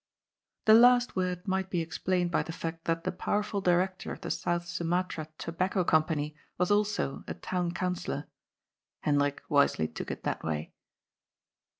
The last word might be explained by the fact that the powerful director of the South Sumatra Tobacco Company was also a Town Councillor. Hendrik wisely took it that way.